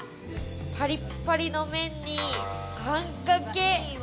パリパリの麺に、あんかけ。